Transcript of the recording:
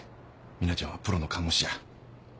ミナちゃんはプロの看護師や。